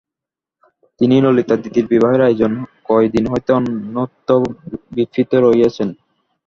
তিনি ললিতাদিদির বিবাহের আয়োজনে কয় দিন হইতে অন্যত্র ব্যাপৃত রহিয়াছেন।